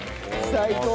最高。